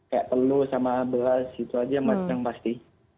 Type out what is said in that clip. kayak telur sama beras itu saja yang pasti